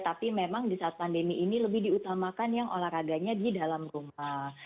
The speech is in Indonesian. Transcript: tapi memang di saat pandemi ini lebih diutamakan yang olahraganya di dalam rumah